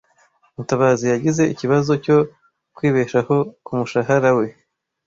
Mutabazi yagize ikibazo cyo kwibeshaho ku mushahara we.